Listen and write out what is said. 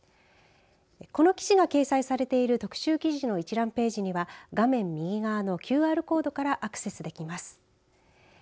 この記事が掲載されている特集記事の一覧ページには画面右側のＱＲコードからアクセスできます。